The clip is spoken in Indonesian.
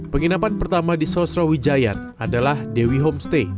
penginapan pertama di sosrawijayan adalah dewi homestay